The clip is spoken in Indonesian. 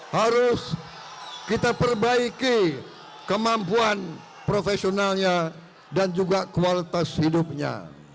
harus kita perbaiki kemampuan profesionalnya dan juga kualitas hidupnya